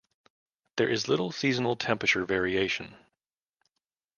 There is little seasonal temperature variation.